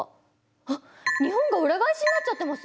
あっ日本が裏返しになっちゃってます！